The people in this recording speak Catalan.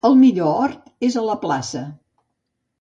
El millor hort és la plaça.